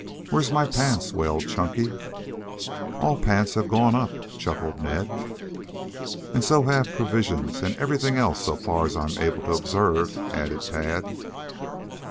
"Where's my pants?" wailed Chunky. "All 'pants' have gone up," chuckled Ned. "And so have provisions and everything else so far as I am able to observe," added Tad.